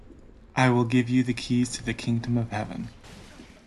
I will give you the keys to the kingdom of heaven.